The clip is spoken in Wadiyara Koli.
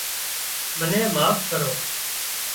منين معاف ڪرو